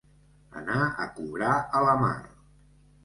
Anar a cobrar a la mar.